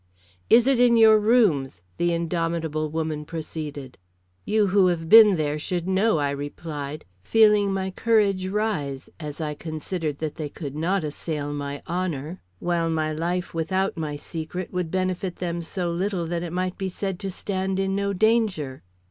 "Is it in your rooms?" the indomitable woman proceeded. "You who have been there should know," I replied, feeling my courage rise, as I considered that they could not assail my honor, while my life without my secret would benefit them so little that it might be said to stand in no danger.